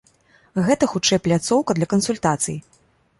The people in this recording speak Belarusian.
Гэта хутчэй пляцоўка для кансультацый.